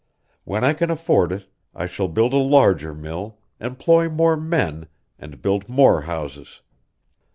When I can afford it, I shall build a larger mill, employ more men, and build more houses.